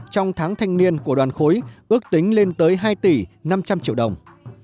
trong tháng thanh niên của đoàn khối ước tính lên tới hai tỷ năm trăm linh triệu đồng